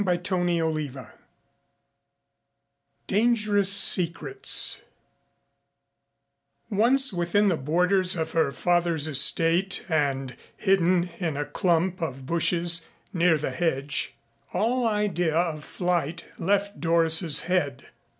CHAPTER IV DANGEROUS SECRETS Once within the borders of her father's estate and hidden in a clump of bushes near the hedge, all idea of flight left Doris's head.